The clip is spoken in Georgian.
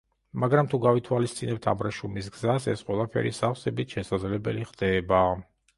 მაგრამ თუ გავითვალისწინებთ აბრეშუმის გზას ეს ყველაფერი სავსებით შესაძლებელი ხდება.